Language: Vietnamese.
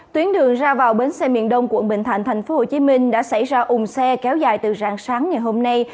tuyến đường ra vào bến xe miền đông quận bình thạnh tp hcm đã xảy ra ủng xe kéo dài từ rạng sáng ngày hôm nay